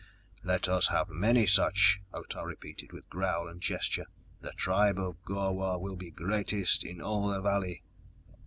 "Let us have many such," Otah repeated with growl and gesture. "The tribe of Gor wah will be greatest in all the valley!"